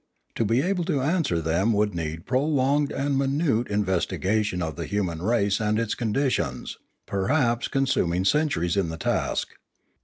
To be able to answer them would need prolonged and minute in vestigation of the human race and its conditions, per haps consuming centuries in the task.